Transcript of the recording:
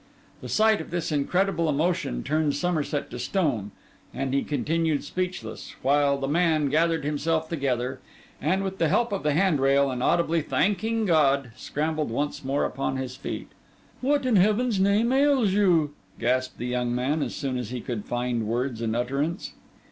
The sight of this incredible emotion turned Somerset to stone, and he continued speechless, while the man gathered himself together, and, with the help of the handrail and audibly thanking God, scrambled once more upon his feet. 'What in Heaven's name ails you?' gasped the young man as soon as he could find words and utterance.